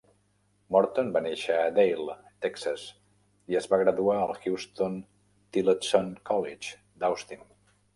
Morton va néixer a Dale (Texas) i es va graduar al Huston-Tillotson College d'Austin.